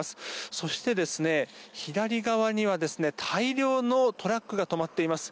そして、左側には大量のトラックが止まってます。